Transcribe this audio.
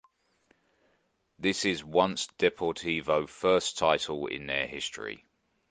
This is Once Deportivo first title in their history.